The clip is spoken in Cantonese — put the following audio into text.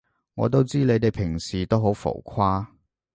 我都知你哋平時都好浮誇